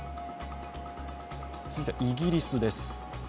続いてイギリスです。